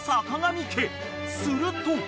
［すると］